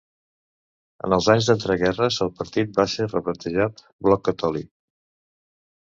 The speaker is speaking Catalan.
En els anys d'entreguerres el partit va ser rebatejat Bloc Catòlic.